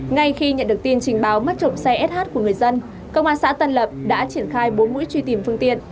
ngay khi nhận được tin trình báo mất trộm xe sh của người dân công an xã tân lập đã triển khai bốn mũi truy tìm phương tiện